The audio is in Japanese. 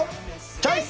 チョイス！